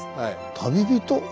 旅人？